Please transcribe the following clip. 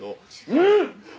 うん！